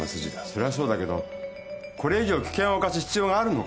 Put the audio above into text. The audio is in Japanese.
それはそうだけどこれ以上危険を冒す必要があるのか？